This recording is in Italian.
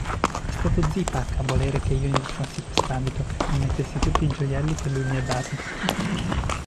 È stato Zipak a volere che io indossassi quest'abito e mettessi tutti i gioielli che lui mi ha dati.